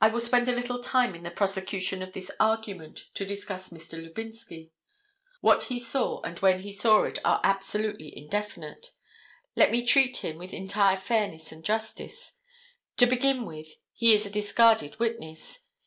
I will spend a little time in the prosecution of this argument to discuss Mr. Lubinsky. What he saw and when he saw it are absolutely indefinite. Let me treat him with entire fairness and justice. To begin with, he is a discarded witness.